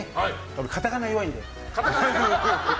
俺、カタカナ弱いんで。